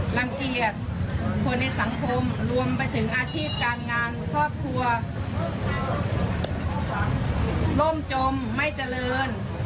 รังเกียจคนในสังคมรวมไปถึงอาชีพการงานครอบครัวร่มจมไม่เจริญ